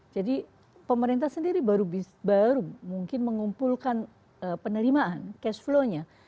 jadi pemerintah sendiri baru mungkin mengumpulkan penerimaan cash flow nya